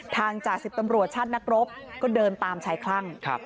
จ่าสิบตำรวจชาตินักรบก็เดินตามชายคลั่ง